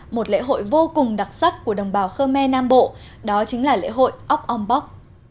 một lễ hội vô cùng đặc sắc của đồng bào khơ me nam bộ đó chính là lễ hội ốc ông bóc